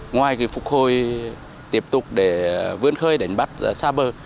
ngoài phục hồi tiếp tục để vươn khơi đánh bắt xa bờ